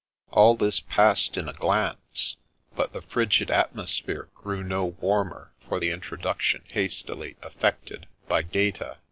All this passed in a glance, but the frigid atmos phere grew no warmer for the introduction hastily effected by Gaeta.